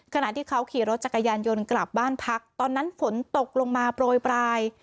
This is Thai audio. ขณะที่เขาขี่รถจักรยานยนต์กลับบ้านพักตอนนั้นฝนตกลงมาโปรยปลาย